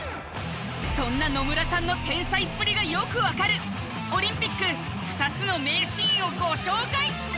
そんな野村さんの天才っぷりがよくわかるオリンピック２つの名シーンをご紹介！